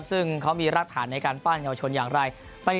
ซึ่งเขามีรากฐานในการปั้นเยาวชนอย่างไร